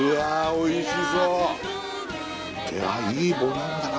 おいしそういやいいボリュームだな